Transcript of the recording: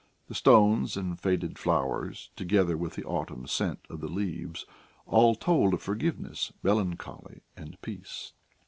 The stones and faded flowers, together with the autumn scent of the leaves, all told of forgiveness, melancholy, and peace.